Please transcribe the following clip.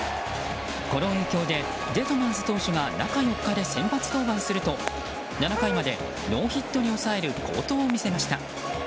この影響でデトマーズ投手が中４日で先発登板すると７回までノーヒットに抑える好投を見せました。